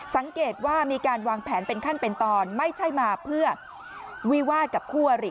สังเกตว่ามีการวางแผนเป็นขั้นเป็นตอนไม่ใช่มาเพื่อวิวาดกับคู่อริ